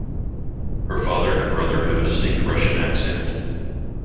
Her father and brother have a distinct Russian accent.